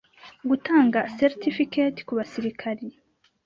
gutanga certificate ku basirikari